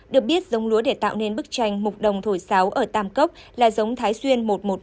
được biết giống lúa để tạo nên bức tranh mục đồng thổi sáo ở tam cốc là giống thái xuyên một trăm một mươi năm